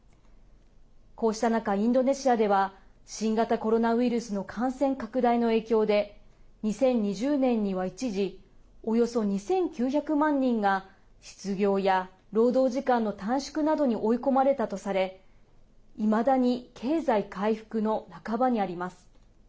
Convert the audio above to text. こうした中、インドネシアでは新型コロナウイルスの感染拡大の影響で２０２０年には一時およそ２９００万人が失業や労働時間の短縮などに追い込まれたとされいまだに経済回復の半ばにあります。